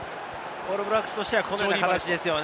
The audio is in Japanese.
オールブラックスとしては、このような形。